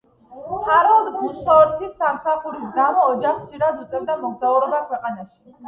ჰაროლდ ბოსუორთის სამსახურის გამო ოჯახს ხშირად უწევდა მოგზაურობა ქვეყანაში.